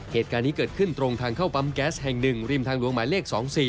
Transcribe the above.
เหตุการณ์นี้เกิดขึ้นตรงทางเข้าปั๊มแก๊สแห่ง๑ริมทางหลวงหมายเลข๒๔